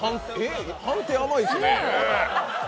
判定甘いですね。